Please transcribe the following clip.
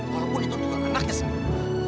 walaupun itu juga anaknya sendiri